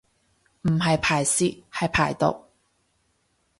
唔係排泄係排毒